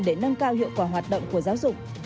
để nâng cao hiệu quả hoạt động của giáo dục